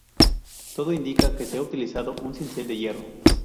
Todo indica que se ha utilizado un cincel de hierro.